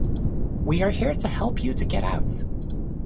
We are here to help you to get out.